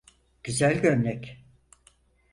Güzel gömlek.